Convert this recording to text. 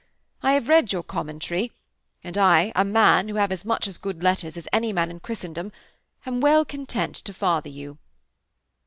I have read your commentary, and I, a man who have as much of good letters as any man in Christendom, am well content to father you.'